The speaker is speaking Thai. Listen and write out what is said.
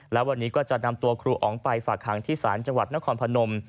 และวันนี้ก็จะนำตัวครูอ๋องไปฝากหางที่ศาลจังหวัดนครพนม